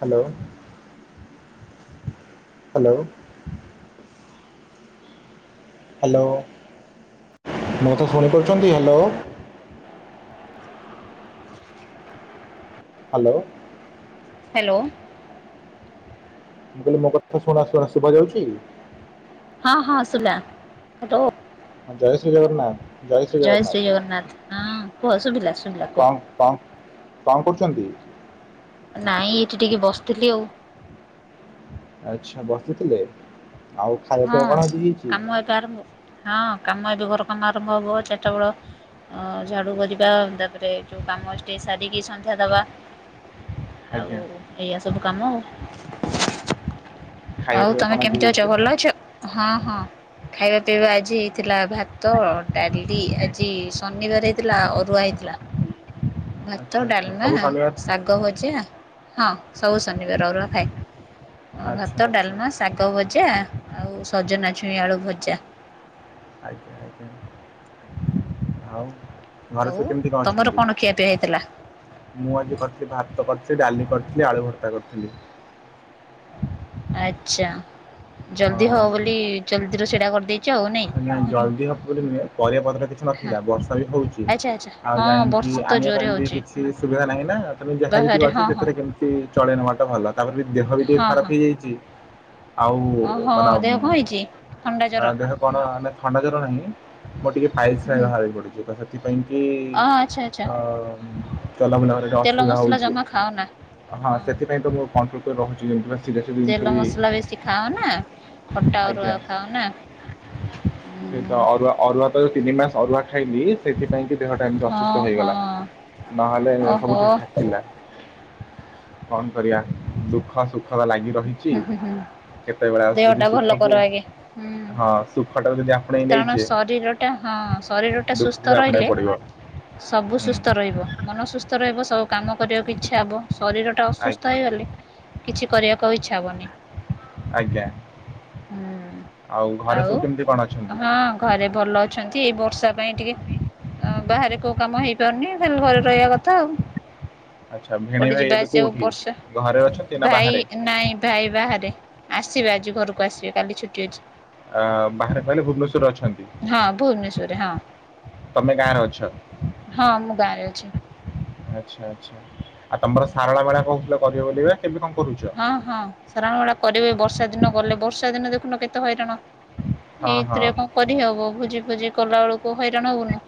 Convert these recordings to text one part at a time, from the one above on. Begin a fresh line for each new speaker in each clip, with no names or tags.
Hello hello hello ମୋ ତେ ଶୁଣିପରୁଛନ୍ତି ହ୍ୟାଲୋ ହ୍ୟାଲୋ।
ହ୍ୟାଲୋ।
ମୁଁ କହିଲେ ମୋ କଥା ଶୁଣା ଶୁଣା ଶୁଭା ଯାଉଛି?
ହଁ ହଁ ସୁନା ହ୍ୟାଲୋ
ହଁ ଜୟ ଶ୍ରୀ ଜଗନ୍ନାଥ
ଜୟ
ଜଗନ୍ନାଥ
ଶ୍ରୀ ଜଗନ୍ନାଥ। ହଁ କୁହ ଶୁଭିଲା ଶୁଭିଲା କୁହ
କଁ କଣ କରୁଛନ୍ତି?
ନାଇଁ ଏଇଠି ଟିକେ ବସିଥିଲି ଆଉ।
ଆଚ୍ଛା ବସିଥିଲେ। ଆଉ ଖାଇବା
ହଁ
ପିଇବା କଣ ଆଜି ହେଇଛି
କାମ ଏବେ ଆରମ୍ଭ ହଁ କାମ ଏବେ ଘର କାମ ଆରମ୍ଭ ହବ ଚାରିଟା ବେଳ ହଁ ଝାଡ଼ୁ କରିବା, ତାପରେ ଯେଉ କାମ ଟିକିଏ ସାରିକି ସନ୍ଧ୍ୟା ଦେବା। ଆଉ
ଆଜ୍ଞା
ଏଇଆ ସବୁ କାମ ଆଉ
ଖାଇବା
ଆଉ
ପିଇବା
ତମେ
କଣ ଆଜି
କେମିତି ଅଛ?
ହେଇଛି
ଭଲ ଅଛ। ହଁ ହଁ। ଖାଇବା ପିଇବା ଆଜି ହେଇଥିଲା ଭାତ, ଡାଲି ଆଜି ଶନିବାର ହେଇଥିଲା ଅରୁଆ ହେଇଥିଲା।
[inaudible] ଆଚ୍ଛା
ଭାତ,
ଆଚ୍ଛା
ଡାଲମା,
ସବୁ ଶନିବାର
ଶାଗ ଭଜା ହଁ ସବୁ ଶନିବାର ଅରୁଆ ଖାଏ। ଭାତ,
ଆଚ୍ଛା। ଆଚ୍ଛା
ଡାଲମା, ଶାଗ ଭଜା ଆଉ ସଜନା ଛୁଇଁ ଆଳୁ ଭଜା।
ଆଜ୍ଞା ଆଜ୍ଞା ଆଉ ଘରେ
ଆଉ
ସବୁ କେମିତି କଣ
ତମର
ଅଛନ୍ତି?
ଖିଆପିଆ ହେଇଥିଲା?
ମୁଁ ଆଜି କରିଥିଲି ଭାତ କରିଥିଲି ଡାଲି କରିଥିଲି ଆଳୁ ଭର୍ତ୍ତା କରିଥିଲି।
ଆଚ୍ଛା। ଜଲଦି
ହଁ
ହଉ ବୋଲି ଜଲ୍ଦିରୁ ସେଡା କରିଦେଇ
ନାଇ ଜଲଦି ହବ ବୋଲି ନୁହେଁ ପରିବା ପତରେ କିଛି ନଥିଲା ବର୍ଷା ବି ହଉଚି,
ଆଚ୍ଛା ଆଚ୍ଛା
ଆଉ
ହଁ
ଯାଇକି
ବର୍ଷା ତ
ଆଣିବା
ଜୋରେ
ପାଇଁ ବି
ହଉଚି।
କିଛି ସୁବିଧା ନାହିଁ ନା ତେଣୁ ଯାହା ଯେତିକି
ବାହାରେ
ଅଛି
ହଁ ହଁ
ସେଥିରେ କେମିତି ତି ଚଳେଇ ନବା ଟା ଭଲ ତାପରେ ବି ଦେହ ବି ଟିକେ
ହଁ
ଖରାପ
ହଁ
ହେଇଯାଇଛି, ଆଉ
ଓହୋ
ମାନ
ଦେହ କଣ ହେଇଚି? ଥଣ୍ଡା
ଆ
ଜର?
ଦେହ କଣ ମାନେ ଥଣ୍ଡା ଜ୍ୱର ନାହିଁ ମୋର ଟିକେଏ ପାଇଲ୍ସ ପାଇଁ
ହୁଁ।
ବାହାରି ପଡିଚି। ସେଥିପାଇଁ କି
ଅ ଆଚ୍ଛା ଆଚ୍ଛା
ଅଁ ଚଲା ବୁଲାବରେ ଟିକେ
ତେଲ
ଅସୁବିଧା
ମସଲା
ହଉଛି।
ଜମା ଖାଅ ନା।
ହଁ ସେଥିପାଇଁ ତ ମୁଁ କନଟ୍ରୋଲ ରହୁଛି ଯେମିତି ସିଜା ସିଜି
ତେଲ
ଜିନିଷ ବି
ମସଲା ବେଶୀ ଖାଅ ନା ଖଟା ଅରୁୁଆ
ଆଜ୍ଞା।
ଖାାଉ ନାଁ?
ସେ ଅରୁଆ ଅରୁଆ ତ ଯୋଉ ତିନି ମାସ ଅରୁଆ ଖାଇଲିି ସେଥିପାଇଁ କି ଦେହଟା ଏମିତି ଅସୁସ୍ଥ
ହଁ
ହେଇଗଲା
ହଁ
ନହେଲେ ସବୁ
ଓହୋ
ଠିକ୍ ଠାକ ଥିଲା। କଣ କରିବା ଦୁଃଖ ସୁ
ହୁଁ ହୁଁ
କେତେବେଳେ ଆଉ ଯଦି
ଦେହଟା ଭଲ
ସୁଖକୁ
କର ଆଗେ। ହୁଁ।
ହଁ ସୁଖଟାକୁ ଯଦି ଆପଣେଇ
କାରଣ
ନେଇଛେ
ଶରୀରଟା ହଁ ଶରୀର ଟା
ଦୁଃଖକୁ
ସୁସ୍ଥ
ବି ଆପଣେଇବାକୁ
ରହିଲେ
ପଡିବ
ସବୁ
ହୁଁ
ସୁସ୍ଥ ରହି ବ ମନ ସୁସ୍ଥ ରହିବ ସବୁ କାମ କରିବାକୁ ଇଚ୍ଛା ହବ ଶରୀର ଟା ଅସୁସ୍ଥ
ଆଜ୍ଞା
ହେଇଗଲେ କିଛି କରିବାକୁ ଆଉ ଇଚ୍ଛା ହବନି।
ଆଜ୍ଞା,
ହୁଁ
ଆଉ ଘରେ ସବୁ କେମିତି କଣ ଅଛନ୍ତି?
ହଁ ଘରେ ଭଲ ଅଛନ୍ତି, ଏଇ ବର୍ଷା ପାଇଁ ଟିକେ ବାହାରେ କୋଉ କାମ ହେଇପାରୁନି ଖାଲି ଘରେ ରହିବା କଥା ଆଉ।
ଆଚ୍ଛା
କୋଉଠି
ଭେଣେଇ ଭାଇ
ଯିବା
ଏବେ
ଆସିବାକୁ
କୋଉଠି
ବର୍ଷା
ଘରେ ଅଛନ୍ତି ନା
ଭାଇ
ବାହାରେ?
ନାଇଁ ଭାଇ ବାହାରେ ଆସିବେ ଆଜି ଘରକୁ ଆସିବେ କାଲି ଛୁଟି ଅଛି।
ଆ ବାହାରେ କହିଲେ ଭୁବନେଶ୍ଵରରେ ଅଛନ୍ତି,
ହଁ ଭୁବନେଶ୍ୱରରେ ହଁ
ତମେ ଗାଁରେ ଅଛ
ହଁ ମୁଁ ଗାଁ ରେ ଅଛି।
ଆଚ୍ଛା ଆଚ୍ଛା। ଆଉ ତମର ସାରଳା ବେଳା କହୁଥିଲ କରିବେ ବୋଲିପା କେବେ କଣ କରୁଛ?
ହଁ ହଁ ସାରଣ ବେଡ କରିବେ ବର୍ଷା ଦିନ ଗଲେ ବର୍ଷା ଦିନ ଦେଖୁନ କେତେ ହଇରାଣ।
ହଁ ହଁ
ଏଇଥିରେ କଁ କରିହବ ଭୋଜି ଭୋଜି କଲା ବେଳକୁ ହଇରାଣ ହବୁନୁ।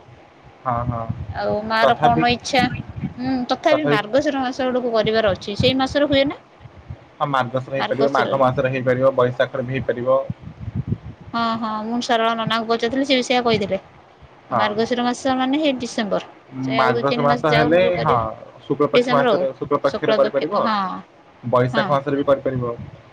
ହଁ ହଁ
ଆଉ ମାର
ତଥାପି
କନ ଇଚ୍ଛା। ହୁଁ ତଥାପି ମାର୍ଗଶିର ମାସ ଗୁଡକୁ କରିବାର ଅଛି। ସେଇ ମାସରେ ହୁଏ ନା?
ହଁ [unintelligible] ହେଇପାରିବ ମାଘ
ମାର୍ଗଶିରରେ।
ମାସରେ ହେଇପାରିବ ବୈଶାଖରେ ବି ହେଇପାରିବ।
ହଁ ହଁ ମୁଁ ସାର ନନାଙ୍କୁ ପଚାରିଥିଲି ସେବି ସେୟ କହିଥିଲେ। ଉ
ହଁ
ମାର୍ଗଶିର ମାସ ମାନେ ସେଇ ଡିସେମ୍ବର। ସେ ଆଉ ଦୁଇ
ମାର୍ଗଶିର
ତିନି ମାସ ଯାଉ
ହେଲେ
ନହେଲେ
ହଁ
କରିବା
ଶୁକ୍ଳ ପକ୍ଷ
ଡିସେମ୍ବର ଆଉ।
ମାସରେ ଶୁକ୍ଳ
ଶୁଖଳ
ପକ୍ଷରେ
ଦୁଃଖେ
କରିପାରିବ
ହଁ। ହଁ
ବୈଶାଖ ମାସରେ ବି କରିପାରିବ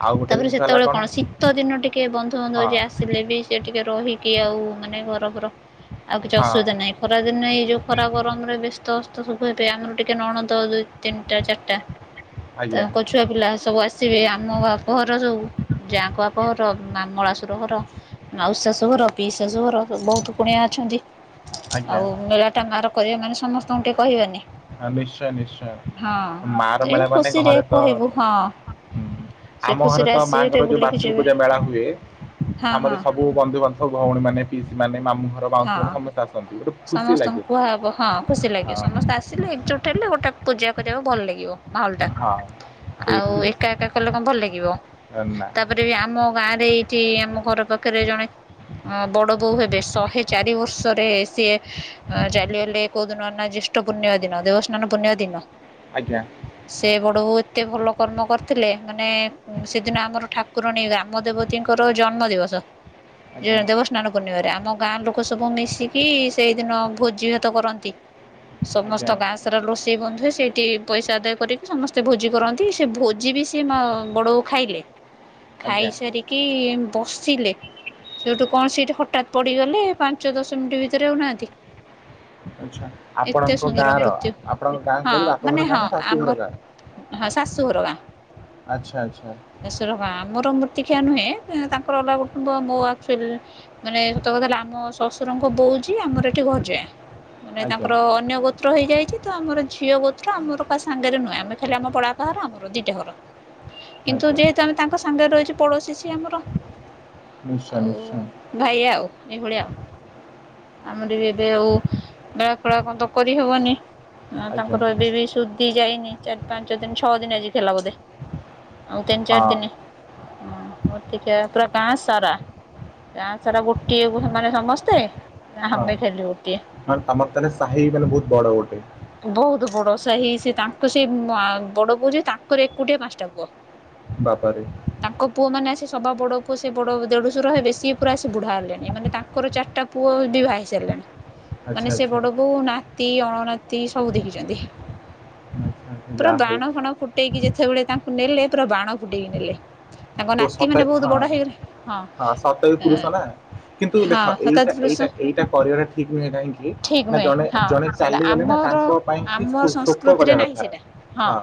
ଆଉ ଗୋଟେ
ତାପରେ
ଜିନିଷ ହେଲା
ସେତେବେଳେ କଣ ଶୀତ ଦିନ ଟିକେ ବନ୍ଧୁ ବାନ୍ଧୁବ
ହଁ
ଯିଏ ଆସ୍ ସିଲେ ବି ସେ ଟିକେ ରହିକି ଆଉ ମାନେ ଗରବର ଆଉ କିଛି
ହଁ
ଅସୁବିଧା ନାଇଁ। ଖରା ଦିନେ ଏଇ ଯୋଉ ଖରା ଗରମରେ ବ୍ୟସ୍ତ ଅସ୍ତ ସବୁ ହେବେ ଆମର ଟିକେ ନଣନ୍ଦ ଦୁଇ ତିନିଟା ଚାରିଟା।
ହ
ତାଙ୍କ ଛୁ ଛୁଆ ପିଲା ସବୁ ଆସିବେ ଆମ ବାପଘର ସବୁ ଯାଆଙ୍କ ବାପଘର ମା ମଳାସୁର ଘର। ଆଉ
ଆଜ୍ଞା
ଶାଶୁଘର ପିଇ ଶାଶୁଘର ବହୁତ କୁଣିଆ ଅଛନ୍ତି।
ଆଜ୍ଞା
ଆଉ ମେଳାଟା ମାର କରିବା ମାନେ ସମସ୍ତଙ୍କୁ ଟିକେ କହିବାନି।
ହଁ ନିଶ୍ଚୟ ନିଶ୍ଚୟ
ହଁ
ମାର
ଏଇ
ମେଳା ମାନେ
ଖୁସିରେ
ଘରେ ତ
କହିବୁ ହଁ ସେ
ଆମ ଘରେ
ଖୁସିରେ
ତ
ଆସିବେ ଟିକେ
ମାଆଙ୍କର ଯୋଉ
ବୁଲିକି
ବାର୍ଷିକ
ଯିବେ
ପୂଜା ମେଳା ହୁଏ।
ହଁ
ଆମର
ହଁ
ସବୁ ବନ୍ଧୁ ବାନ୍ଧବ ଭଉଣୀମାନେ, ପିଇଷିମାନେ ମାମୁ ଘର
ହଁ
ମାଉସୀ ଘର ସମସ୍ତେ ଆସନ୍ତି ଗୋଟେ ଖୁସି
ସମସ୍ତଙ୍କୁ
ଲାଗେ
କୁହାହବ ହଁ ଖୁସି ଲାଗିବ ସମସ୍ତ୍ ସ୍ତେ ଆସିଲେ
ହଁ
ଏକଜୁଟ ହେଲେ ଗୋଟେ ପୂଜା କରିଆକୁ‌ ଭଲ ଲାଗିବ ମାହୋଲଟା।
ହଁ
ଆଉ ଏକା ଏକା କଲେ କଣ ଭଲ ଲାଗିବ।
ଅ ନା।
ତାପରେ ବି ଆମ ଗାଁରେ ଏଇଠି ଆମ ଘର ପାଖରେ ଜଣେ ଅ ବଡ ବୋଉ ହେବେ ଶହେ ଚାରି ବର୍ଷରେ ସିଏ ଅ ଚାଲି ଗଲେ କହୁଦନ ନା ଜ୍ୟେଷ୍ଠ ପୁର୍ଣିମା ଦିନ ଦେବସ୍ଥାନ ପୁର୍ଣିମା ଦିନ।
ଆଜ୍ଞା।
ସେ ବଡ଼ବୋଉ ଏତେ ଭଲ କର୍ମ କରିଥିଲେ ମାନେ ସେଦିନ ଆମର ଠାକୁରଣୀ ରାମ ଦେବତୀଙ୍କର ଜନ୍ମ ଦିବସ। ଯେ
ଆଜ୍ଞା
ଦେବସ୍ନାନ ପୂର୍ଣ୍ଣିମାରେ ଆମ ଗାଁ ଲୋ କ ସବୁ ମିଶିକି ସେଇଦିନ ଭୋଜି ଭାତ କରନ୍ତି। ସମସ୍ତ
ଆଜ୍ଞା
ଗାଁ ସାରା ରୋଷେଇ ବନ୍ଧୁଏ ସେଇଟି ପଇସା ଆଦାୟ କରିକି ସମସ୍ତେ ଭୋଜି କରନ୍ତି। ସେ ଭୋଜି ବି ସେ ମା ବଡ଼ବୋଉ ଖାଇଲେ।
ଆଜ୍ଞା
ଖାଇସାରି କି ବସିଲେ ସେଇଠୁ କଣ ସେଇଠି ହଠାତ୍ ପଡ଼ିଗଲେ। ପାଞ୍ଚ ଦଶ ମିନ୍ଟି ଭିତରେ ହଉନାହାନ୍ତି।
ଆଛା ଆପଣଙ୍କ
ସୁନ୍ଦର
ଗାଁର
ମୃତ୍ୟୁ
ଆପଣଙ୍କ ଗାଁ
ହଁ
କହିଲି
ମାନେ
ବାପଘର ଗାଁ
ହଁ
ନା
ଆମର
ଶାଶୁଘର ଗାଁ?
ହଁ ଶାଶୁଘର ଗାଁ।
ଆଚ୍ଛା ଆଚ୍ଛା।
[unintelligible] ବାଁ ମୋର ମୃତ୍ତିକିୟଆ ନୁହେଁ ତାଙ୍କର ଅଲଗ କୁଟୁମ୍ବ ମୋ [unintelligible] ମାନେ ସତ କଥା ହେଲା ଆମ ଶଶୁରଙ୍କ ବୋଉଜି ଆମର ଏଠି [unintelligible] ମାନେ
ଆଜ୍ଞା
ତାଙ୍କର ଅନ୍ୟ ଗୋତ୍ର ହୋଇଯାଇଚି ତ ଆମର ଝିଅ ଗୋତ୍ର ଆମର କା ସାଙ୍ଗରେ ନୁହେଁ ଆମେ ଖାଲି ଆମ ପଳାପା ଘର ଆମର ଦୁଇଟା ଘର। ବ କିନ୍ତୁ
ଆଜ୍ଞା
ଯେହେତୁ ଆମେ ତାଙ୍କ ସାଙ୍ଗରେ ରହିଚୁ‌ ପଡୋଶୀ ସିଏ ଆମର।
ନିଶ୍ଚୟ
ଆଉ
ନିଶ୍ଚୟ
ଭାଇ ଆଉ ଏଇଭଳିଆ ଆଉ। ଆମର ବି ଏବେ ଆଉ ବେଳା ଫେଳା କଣ ତ କରିହବନି
ଆଜ୍ଞା
ତାଙ୍କର ଏବେ ବି ସୁ ତି ଯାଇନି ଚାରି ପାଞ୍ଚ ଦିନ ଛଅ ଦିନ ଆଜି ଖେଲା ବୋଧେ ଆଉ ତିନି ଚାରି ଦିନି।
ହଁ
ହଁ ମୂର୍ତ୍ତିକିଆ ପୁରା ଗାଁ ସାରା ଗାଁ ସାରା ଗୋଟିଏ ବୋହୁ ସେମାନେ ସମ ସ୍ତେ
ହଁ ମାନେ ତମର ତାହେଲେ ସାହି ମାନେ ବହୁତ ବଡ ଗୋଟେ।
ବହୁତ ବଡସାହି ସେ ତାଙ୍କ ସେ ମା ବଡ ବୋଉ ଯିଏ ତାଙ୍କର ଏକୁଟିଆ ପାଞ୍ଚଟା ପୁଅ।
ବାବା ରେ।
ତାଙ୍କ ପୁଅ ମାନେ ଆସି ସବା ବଡ଼ ପୁଅ ସେ ବଡ ଦେଢଶୁର ହେବେ ସିଏ ପୁରା ଆସି ବୁଢା ହେଲେଣି ମାନେ ତାଙ୍କର ଚାର ଟା ପୁଅ ବି ଭାଇ ସାରିଲାଣି
ଆଚ୍ଛା
ମାନେ ସେ
ଆଚ୍ଛା
ବଡ ବୋଉ ନା ତି ଅଣନାତି ସବୁ ଦେଖିଚନ୍ତି
ଆଚ୍ଛା ଆଚ୍ଛା,
ପୁରା
ଯାହା ହଉ
ବାଣ ଫାଣ ଫୁ ଫୁଟେଇକି ଯେତେବେଳେ ତାଙ୍କୁ ନେଲେ ପୁରା ବାଣ ଫୁଟେଇକି ନେଲେ। ତାଙ୍କ
ପୁଅ
ନାତି
ସତେ
ମାନେ ବହୁତ
ହଁ
ବଡ଼ ହେଇଗଲେ ହଁ
ସତେଜ ପୁରୁଷ ନା କିନ୍ତୁ
ହଁ
ଦେଖ ଏଇ
ଶତାବ୍ଦୀ ପୁରୁଷ
ଏଇଟା ଏଇଟା କରିବାଟା ଠିକ ନୁହେଁ କାହିଁକି
ଠିକ
ନା
ନୁହେଁ
ଜଣେ
ହଁ
ଜଣେ
ସେଟା
ଚାଲିଗଲେ ନା
ଆମର
ତାଙ୍କ ପାଇଁ କି
ଆମ
ଶୋ ସୋକ
ସଂସ୍କୃତିରେ
କରିବା
ନାହିଁ ସେଟା
କଥା ହଁ।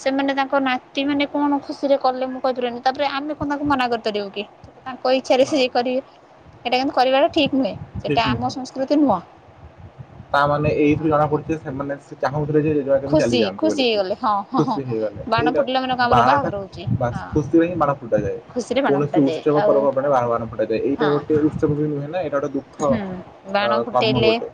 ସେମାନେ ତାଙ୍କ ନାତି ମାନେ କଣ ଖୁସିରେ କଲେ ମୁଁ କହିପାରିବିନି ତାପରେ ଆମେ କଣ ତାଙ୍କୁ ମନା କରିପାରିବୁ କି। ତାଙ୍କ ଇଚ୍ଛାରେ
ହଁ
ସେ କର ସେଇଟା କିନ୍ତୁ କରିବାଟା ଠିକ୍ ନୁହେଁ
ଠିକ
ସେଇଟା ଆମ
ନୁହଁ
ସଂସ୍କୃତି ନୁହଁ।
ତା ମାନେ ଏଇ ଥିରୁ ଜଣା
ଆଉ
ପଡୁଚି ଯେ ସେମାନେ ସେ ଚାହୁଁଥିଲେ ଯେ କେ ଚାଲି
ଖୁସି
ଯାଆନ୍ତୁ
ଖୁସି
ବୋଲିକି
ହେଇଗଲେ ହଁ ହଁ ହଁ
ଖୁସି ହେଇଗଲେ
ବାଣ
ଏଇଟା
ଫୁଟିଲା ମାନେ କଣ ଆମର
ବାଣ
ବାହାଘର ହଉଛି
ଟା
ହଁ।
ଖୁସିରେ ହିଁ ବାଣ ଫୁଟାଯାଏ
ଖୁସିରେ ବାଣ
କୌଣସି
ଫୁଟାଯାଏ
ଉତ୍ସବ
ଆଉ
ପର୍ବ ପର୍ବାଣି ରେ ବାଣ ଫାଣ ଫୁଟାଯାଏ ଏଟା
ହଁ
ଗୋଟେ ଉତ୍ସବ ବି ନୁହେଁ ନା ଏଟା ଗୋଟ ଦୁ କହ ଆଁ କର୍ମ ଗୋଟେ।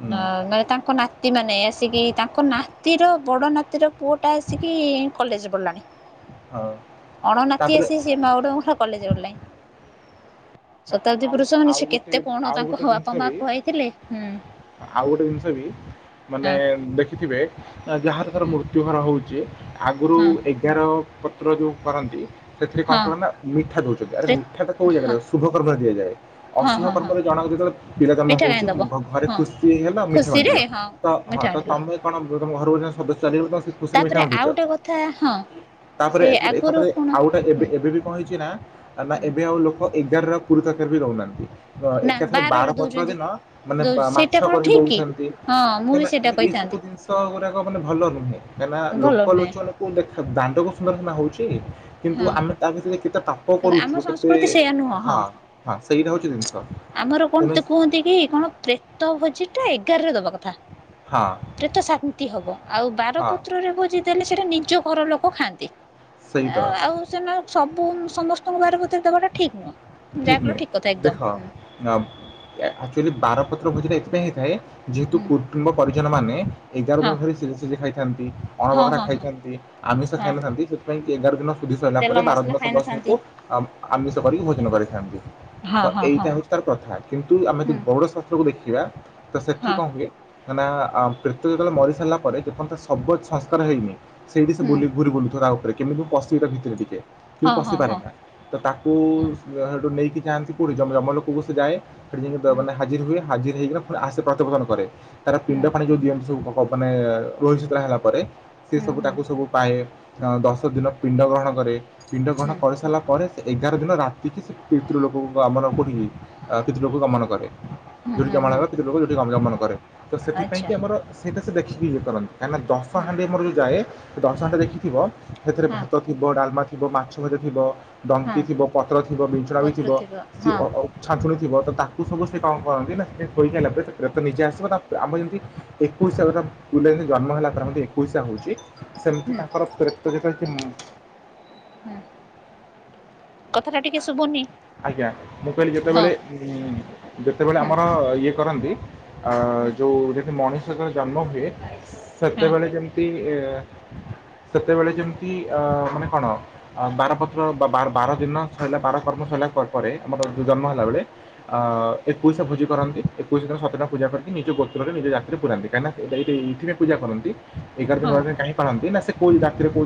ହୁଁ
ନା ନା ତାଙ୍କ ନାତ ନାତି ମାନେ ଆସିକି ତାଙ୍କ ନାତିର ବଡ଼ ନାତିର ପୁଅଟା ଆସିକି କଲେଜରେ ପ଼ିଢ଼ିଲାଣି।
ହଁ।
ଅଣ ନାତି
ତାପରେ
ଆସି ସେ ପା ଉଠା କଲେଜ ପଢ଼ିଲାଣି।
ତାପରେ
ଶତାବ୍ଦୀ
ଆଉ ଗୋଟେ
ପୁରୁଷ ମାନେ
ଆଉ
ସେ
ଗୋଟେ
କେତେ କଣ
ଆଉ
ତାଙ୍କ
ଗୋଟେ
ବାପା
ଜିନିଷ
ମା
ବି
ଖୁଆଇଥିଲେ ହୁଁ।
ଆଉ ଗୋଟେ ଜିନିଷ ବି ମାନେ
ହଁ।
ଦେଖିଥିବେ ଯାହାର ତାର
ହଁ
ମୃତ୍ୟୁ ଘର ହଉଚି ଆଗରୁ
ହଁ
ଏଗା ଏଆର ପତ୍ର ଯୋଉ କରନ୍ତି ସେଥିରେ କଣ
ହଁ
କର ନା ମିଠା ଦେଉଚନ୍ତି ଆରେ ମିଠା ତ କେଉଁ ଜାଗାରେ ଶୁଭ କର୍ମ ରେ ଦିଅ ଯାଏ।
ହଁ
ଅଶୁଭ
ହଁ ହଁ
କର୍ମ ରେ ଜଣକ ଯେତେବେଳେ ପିଲା ଜନ୍ମ ହଉଚି ଘ ଘରେ ଖୁସି ହେଲା ମିଠା
ସିରେ
ବାଣ୍ଟିଲ
ହଁ
ତ ହଁ
ମିଠା
ତ
ଆଣିଲ।
ତମେ କଣ ତମ ଘର ଜଣେ ସଦସ୍ୟ ଚାଲି ଯାଉଚି ତମେ ସେ ଖୁସିର
ତାପରେ
ମିଠାବାଣ୍ଟୁଚ
ଆଉ ଗୋଟେ କଥା ହଁ
ତାପରେ
ସେ
ଏ
ଆଗରୁ
ଏକାଥରେ
କଣ
ଆଉ ଗୋଟେ ଏବେ
ହୁଁ
ଏବେ ବି କଣ ହେଇଚି ନା ନା
ହୁଁ
ଏବେ ଆଉ ଲୋକ ଏଗାରେ ଆଉ ପୁରୀ ତରକାରୀ ବି ଦଉ ନାହାନ୍ତି।
ନା
ଏକାଥରେ ବାର
ବାରରେ
ପତ୍ର
ଦଉଛନ୍ତି
ଦିନ ମାନେ
ଦଉ
ବା ମାଛ
ସେଇଟା କଣ
କରି
ଠିକ କି?
ଦଉଚନ୍ତି
ହଁ ମୁଁ ବି
କଁନା ଏ
ସେଇଟା
ଏଇ ସବୁ
କହିଥାନ୍ତି
ଜିନିଷ ଗୁଡାକ ମାନେ ଭଲ ନୁହେଁ କାହିଁକନା
ଭଲ
ଲୋକ
ନୁହେଁ
ଲୋଚନ କୁ ଦେଖ ଦାଣ୍ଡ କୁ ସୁନ୍ଦର ସିନା ହଉଚି। କିନ୍ତୁ
ହଁ
ଆମେ ତା ଭିତରେ କେତେ ପାପ
କିନ୍ତୁ ଆମ
କରୁଚୁ କେତେ
ସଂସ୍କୃତି ସେଇୟା ନୁହଁ
ହଁ
ହଁ।
ହଁ ସେଇଟା ହଉଛି ଜିନିଷ
ଆମର କଣ
ତେଣୁ
ତ କୁହନ୍ତି କି କଣ ପ୍ରେତ ଭୋଜି ଟା ଏଗାରରେ ଦବା କଥା।
ହଁ
ପ୍ରେତ ଶାନ୍ତି ହବ ଆଉ
ହଁ
ବାରପତ୍ରରେ ଭୋଜି ଦେଲେ ସେଇଟା ନିଜ ଘର ଲୋକ ଖାଆନ୍ତି
ସେଇଟା
ଆଁ ଆଉ ସେମାନେ ସବୁ ସମ ତମ ବାର ପତ୍ର ଦବା ଟା ଠିକ ନୁହଁ ଯାହା କଲ ଠିକ କଥା ଏକଦମ
ଦେଖ
ହୁଁ
ଆଚୁଆଲି ବାରପତ୍ର ଭୋଜି ଟା ଏଥିପାଇଁ ହେଇଥାଏ ଯେହେତୁ
ହୁଁ
ପୁ କୁଟୁମ୍ବ ପରିଜନମାନେ ଏଗାର
ହଁ
ଦିନ ଧରି ସିଜି ସିଯା ଖାଇଥାନ୍ତି
ହଁ ହଁ
ଅଣବଘରା
ହଁ
ଖାଇଥାନ୍ତି। ଆମିଷ
ହଁ।
ଖାଇନଥାନ୍ତି ସେଥିପାଇଁ କି ଏଗାର ଦିନ ସୁଧି ସରିଲ ପରେ
ତେଲ
ବାର
ମସଲା
ଦିନ ସମସ୍ତି
ଖାଇନଥାନ୍ତି।
ଙ୍କୁ ଆମିଷ କରିକି ଭୋଜନ କରିଥାନ୍ତି
ହଁ
ତ
ହଁ ହଁ
ଏଇଟା ହଉଛି ତାର ପ୍ରଥା କିନ୍ତୁ ଆମେ ଯ ବଡ ସ କୁ ଦେଖିବା ତ
ହଁ
ସେଠି କଣ ହୁଏ କାହିଁକି ନା ଆ ପ୍ରେତ ଯେତେ ବେଳେ ମରି ସାରିଲା ପରେ ଯେ ପର୍ଯ୍ୟନ୍ତ ଶବ ସଂସ୍କାର ହେଇନି। ସେଇଠି ସେ ବୁଲି ଘୁରି ବୁଲୁଥାଏ ରା ଉପରେ କେମିତି ମୁଁ ପଶିବି ତା ଭିତରେ ଟିକେ କିନ୍ତୁ
ହଁ ହଁ ହଁ
ପଶିପାରେ
ହଁ।
ନା। ତ ତାକୁ ସେଠୁ ନେଇକି ଚାହାନ୍ତି କୋଉଠି ଜମଲୋକକୁ ସେ ଯାଏ ସେଠି ଯାଇକି ମାନେ ହାଜିର ହୁଏ। ହାଜିର ହେଇକି ନା ଆସେ ପ୍ରତିପର୍ତ୍ତନରେ ତାର ପିଣ୍ଡ ଫାଣି ଯୋଉ ଦିଅନ୍ତି ସବୁ। ମାନେ ରୋହିଶୀତଳା ହେଲା ପରେ ସେ ସବୁ ତାକୁ ସବୁ ପାଏ। ଆଉ ଦଶ ଦିନ ପିଣ୍ଡ ଗ୍ରହଣ କରେ ପିଣ୍ଡ ଗ୍ରହଣ କରିସାରିଲା। ପରେ ସେ ଏଗାର ଦିନ ରାତି କିି ସେ ପିତୃ ଲୋକ କୁ ଆମର କୋଉଠି ପିତୃ ଲୋକକୁ ଗମନ କରେ। ଯଉଠି ଜମାଳୟ ପିତୃ ଲୋକ ଯୋଉଠିଁ ଯମନ କରେ ତ ସେଥିପାଇଁ
ଆଚ୍ଛା
କି ଆମର। ସେଇଟା ସେ ଦେଖିକି ଇଏ କରନ୍ତି କାହିଁକିନା
ହୁଁ
ଦଶହାଣ୍ଡି ଆମର ଯେଉଁ ଯାଏ ଦଶହାଣ୍ଡି ଦେଖିଥିବ। ସେଥି ରେ
ହଁ
ଭାତ ଥିବ ଡାଲମା ଥିବ ମାଛ ଭଜା ଥିବ।
ହଁ
ଡଙ୍କି ଥିବ, ପତ୍ର ଥିବ, ବିଛଣା ବି
ପତ୍ର
ଥିବ ସି
ହଁ
ଅ। ଛାଛୁଣି ଥିବ ତ ତାକୁ ସବୁ ସେ କଣ କରନ୍ତି ନା ସେ ସୋଇ ସାରିଲା ପରେ ପ୍ରେତ ନିଜେ ଆସିବ ତା ଆମ ଯେମିତି। ଏକୋଇଶା କଥା ସ୍କୁଲ ରେ ଜନ୍ମ ହେଲା ପରେ ଆମର ତ ଏକୋଇଶା ହଉଛ। ସେମିତି
ହୁଁ
ତାଙ୍କର ପ୍ରେତ ଯେତେ ବେଳେ ତି ମୁଁ।
ହୁଁ କଥାଟା ଟିକେ ଶୁଭୁନି
ଆଜ୍ଞା ମୁଁ କହିଲି
ହଁ
ଯେତେବେଳେ। ଉଁ ଯେତେବେଳେ
ହଁ
ଆମର ଇଏ କରନ୍ତି। ଆ
ହଁ
ଯୋଉଁ ଦେଖି ମଣିଷ ଯେତେ ବେଳେ ଜନ୍ମ ହୁଏ।
ହଁ
ସେତେବେଳେ ଯେମିତି ଏ। ସେତେବେଳେ ଯେମିତି ଅ ମାନେ କଣ ବାରପତ୍ର ବା ବାର ଦିନ। ସଇଲା ବାର କର୍ମ ସଇଲା ପରେ ଆମର ଜନ୍ମ ହେଲା ବେଳେ। ଆ ଏକୋଇଶା ଭୋଜି କରନ୍ତି ଏକୋଇଶ ଦିନ ସାତ ଟା ପୂଜା କରିକି ନିଜ ଗୋତ୍ରରେ ନିଜ ଜାତିରେ ପୁରାନ୍ତି କାହିଁକି ନା। ଏଟା ଏ ଏଇଥିପାଇଁ ପୂଜା କରନ୍ତି ଏଗାର ଦିନ
ହଁ
ବାର ଦିନ କାହିଁ ପାଳନ୍ତି ନା ସେ କୋଉ ଜାତି ରେ କୋଉ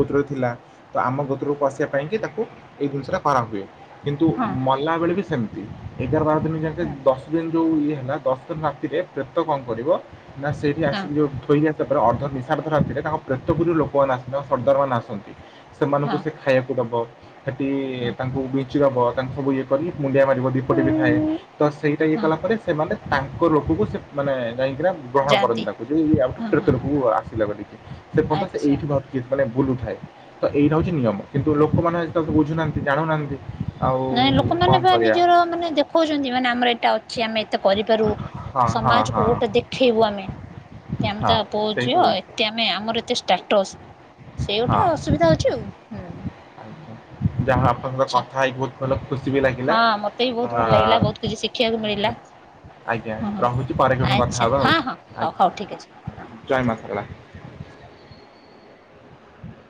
ଗୋତ୍ରରେ ଥିଲା। ତ ଆମ ଗୋତ୍ର କୁ ଆସିବା ପାଇଁ କି ତାକୁ ଏଇ ଜିନିଷ ଟା କରାହୁଏ। କିନ୍ତୁ
ହଁ
ମଲା ବେଳେ ବି ସେମିତି ଏଗାର, ବାର ଦିନ ଯେମିତି
ହଁ
ଦଶ ଦିନି ଯୋଉ ଇଏ ହେଲା ଦଶ ଦିନ ରାତିରେ। ପ୍ରେତ କଣ କରିବ ନା ସେଇଠି ଆସିକି ଯୋଉଁ ଥୋଇଲା। ତା ପରେ ଅର୍ଦ୍ଧ ନିିସାର୍ଦ୍ଧ ରାତିରେ ତାଙ୍କ ପ୍ରେତ ପୁରରୁ ଲୋକମାନେ ଆସନ୍ତି ତାଙ୍କ ସର୍ଦ୍ଦାରମାନେ ଆସନ୍ତି।
ହଁ
ସେମାନଙ୍କୁ ସେ ଖାଇବାକୁ ଦବ। ସେଠି
ହଁ।
ତାଙ୍କୁ ବିଞ୍ଚିଦବ ତାଙ୍କୁ ସବୁ ଇଏ କରି ମୁଣ୍ଡିଆ ମାରିବ ଦୀପଟି ବି ଥାଏ। ତ ସେଇଟା ଇଏ
ହଁ
କଲା ପରେ ସେମାନେ ତାଙ୍କ ଲୋକକୁ ସେ ମାନେ ଯାଇଁକିଣା। ଗ୍ରହଣ କରନ୍ତି
ଯାଆନ୍ତି
ତାଙ୍କୁ ଯାଇ ଆମ
ହଁ
ପ୍ରେତ
ହଁ
ଲୋକକୁ ଆସିଲା ବୋଲି କି ସେ ପର୍ଯ୍ୟନ୍ତ ସେ
ଆଚ୍ଛା।
ଏଇଠି କି ମାନେ ବୁଲୁଥାଏ ତ ଏଇଟା ହଉଛି ନିୟମ କିନ୍ତୁ ଲୋକମାନେ ଆଜି ତା ବୁଝୁନାହାନ୍ତି ଜାଣୁନାହାନ୍ତି। ଆଉ
ନାଁହି ଲୋକମାନେ
କଣ
ବା
କରିବା
ନିଜର ମାନେ ଦେଖଉଛନ୍ତି ମାନେ ଆମର ଏଇଟା ଅଛି ଆମେ ଏତେ କରିପାରୁ।
ହଁ ହଁ ହଁ
ସମାଜକୁ ଗୋଟେ ଦେଖେଇବୁ ଆମେ କି ଆମେ
ହଁ
ତା ପୁଅ,
ସେଇ ତ
ଝିଅ
ଜିନିଷ
ଏ। ଆମେ ଆମର ଏତେ ଷ୍ଟାଟସ୍!
ହଁ।
ସେଇଗୋଟା ଅସୁବିଧା ହଉଛି ଆଉ ହୁଁ!
ଆଜ୍ଞା ଯାହା ହଉ ଆପଣଙ୍କ
ଆଛା
କଥା ହେଇକି ବହୁତ ଭଲ ଖୁସି ବି ଲାଗିଲା
ହଁ ମତେ ବି
ଆ
ବହୁତ ଭଲ ଲାଗିଲା! ବହୁତ କିଛି ଶିଖି! ଶିଖିବାକୁ
ଠିକ୍
ମିଳିଲା!
ଅଛି ଆଜ୍ଞା
ହଁ ହଁ
ରଖୁଛି ପରେ କୋଉଦିନ କଥା
ଆଚ୍ଛା
ହବା
ହଁ
ଆଉ!
ହଁ ହଉ ହଉ ଠିକ୍ ଅଛି।
ଆଜ୍ଞା ଜୟ ମା ସାରଳା!